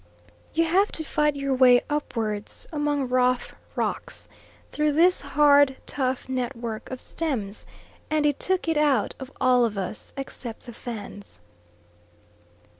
You have to fight your way upwards among rough rocks, through this hard tough network of stems; and it took it out of all of us except the Fans.